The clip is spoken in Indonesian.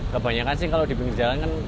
kebanyakan sih kalau dibingung jalan kan